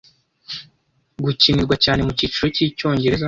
gukinirwa cyane mu cyiciro cy'icyongereza